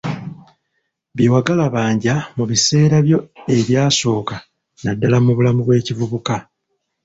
Byewagalabanja mu biseera byo ebyasooka naddala mu bulamu bw'ekivubuka.